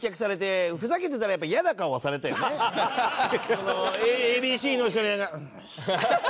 でもＡＢＣの人に。